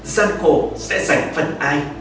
gian khổ sẽ giành phấn ai